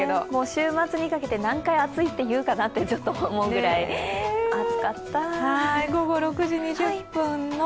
週末にかけて何回「暑い」と言うかなと思うくらい暑かった。